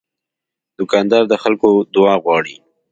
دوکاندار د خلکو دعا غواړي.